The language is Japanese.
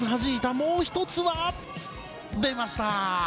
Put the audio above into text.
もう１つは出ました！